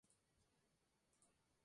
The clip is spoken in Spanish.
El dúo resultó ganador de la competencia.